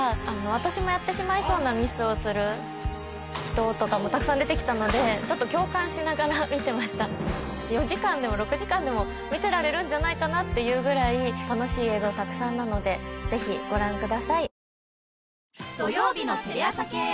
私もやってしまいそうなミスをする人とかもたくさん出てきたのでちょっと４時間でも６時間でも見てられるんじゃないかなっていうぐらい楽しい映像たくさんなのでぜひご覧ください。